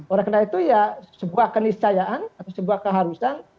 oleh karena itu ya sebuah keniscayaan atau sebuah keharusan